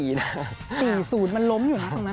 ๔๐มันล้มอยู่นะตรงนั้น